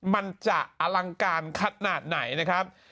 มันจะอลังการขนาดไหนนะครับ